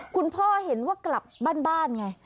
คุณพ่อเห็นว่ากลับบ้านไง